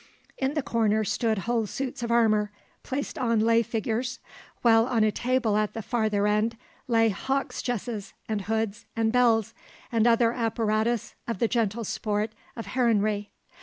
In the corner stood whole suits of armour, placed on lay figures, while on a table at the farther end lay hawk's jesses, and hoods, and bells, and other apparatus of the gentle sport of heronry.